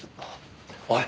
おい。